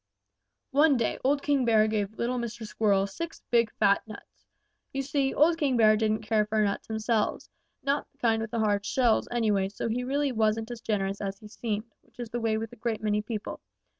"One day old King Bear gave little Mr. Squirrel six big, fat nuts. You see, old King Bear didn't care for nuts himself, not the kind with the hard shells, anyway, so he really wasn't as generous as he seemed, which is the way with a great many people.